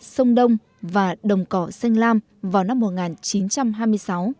sông đông và đồng cỏ xanh lam vào năm một nghìn chín trăm hai mươi sáu